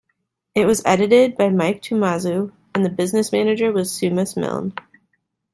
It was edited by Mike Toumazou and the business manager was Seumas Milne.